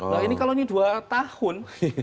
nah ini kalau ini dua tahun